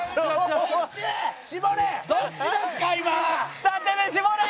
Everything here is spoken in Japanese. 下手で絞れ！